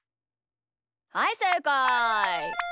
はいせいかい！